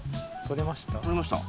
撮れました。